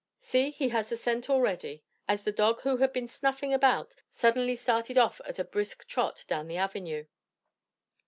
See he has the scent already," as the dog who had been snuffing about suddenly started off at a brisk trot down the avenue.